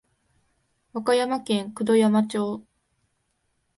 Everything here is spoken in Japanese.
和歌山県九度山町